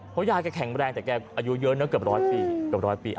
เพราะยายแข็งแรงแต่ยายอายุเยอะเนอะเกือบร้อยปี